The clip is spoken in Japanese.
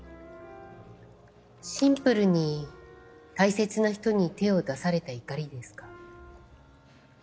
シンプルに大切な人に手を出された怒りですか？